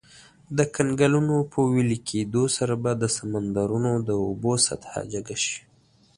د کنګلونو په ویلي کیدو سره به د سمندرونو د اوبو سطحه جګه شي.